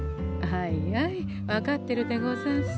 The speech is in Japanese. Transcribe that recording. あいあい分かってるでござんす。